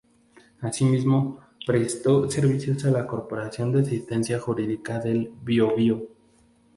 Asimismo, prestó servicios a la Corporación de Asistencia Jurídica del Bío-Bío.